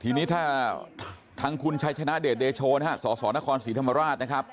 ทีนี้ถ้าทางคุณชัยชนะเดชเดโชนะฮะสสนครศรีธรรมราชนะครับ